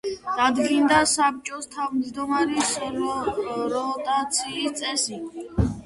დადგინდა საბჭოს თავჯდომარის როტაციის წესი.